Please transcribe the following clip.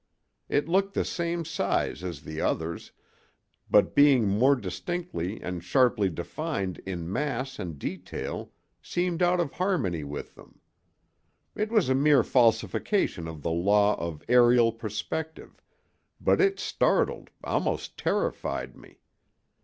It looked the same size as the others, but being more distinctly and sharply defined in mass and detail seemed out of harmony with them. It was a mere falsification of the law of aërial perspective, but it startled, almost terrified me.